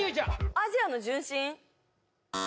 「アジアの純真」